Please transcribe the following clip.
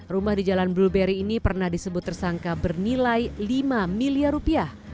rumah di jalan blueberry ini pernah disebut tersangka bernilai lima miliar rupiah